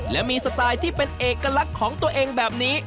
และมีสไตล์ที่เป็นเอกลักษณ์ของตัวเองแบบนี้